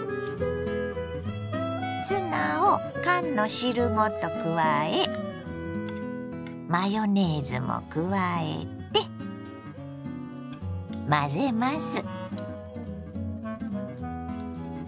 ツナを缶の汁ごと加えマヨネーズも加えて混ぜます。